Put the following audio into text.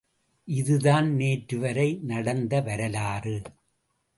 இதுதான் நேற்று வரை நடந்த வரலாறு.